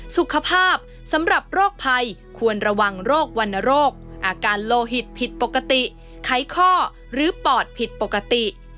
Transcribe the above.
สุขภาพสำหรับโรคภัยควรระวังโรควรรณโรคอาการโลหิตผิดปกติไขข้อหรือปอดผิดปกติ